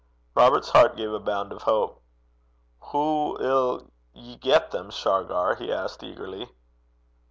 Robert's heart gave a bound of hope. 'Hoo 'ill ye get them, Shargar?' he asked eagerly.